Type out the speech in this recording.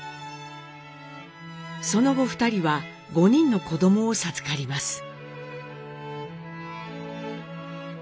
その後２人は５人の子どもを授かります。